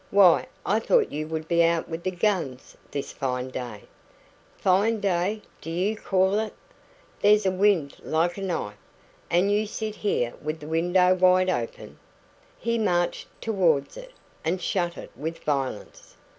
Why, I thought you would be out with the guns this fine day." "Fine day, do you call it? There's a wind like a knife. And you sit here with the window wide open " He marched towards it, and shut it with violence.